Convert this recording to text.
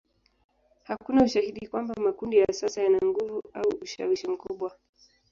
Hakuna ushahidi kwamba makundi ya sasa yana nguvu au ushawishi mkubwa.